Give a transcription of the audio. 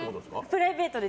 プライベートで。